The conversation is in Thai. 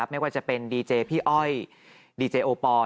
ไม่ว่าจะเป็นดีเจพี่อ้อยดีเจโอปอล